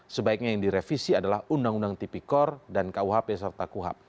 sebaiknya yang direvisi adalah undang undang tipikor dan kuhp serta kuhap